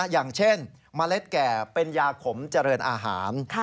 อย่างเช่นเมล็ดแก่เป็นยาขมเจริญอาหาร